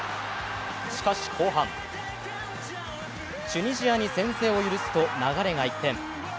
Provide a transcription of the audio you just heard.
しかし後半、チュニジアに先制を許すと流れが一転。